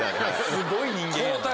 すごい人間やな。